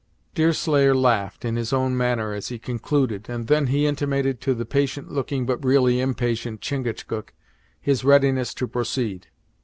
Deerslayer laughed, in his own manner, as he concluded, and then he intimated to the patient looking, but really impatient Chingachgook, his readiness to proceed.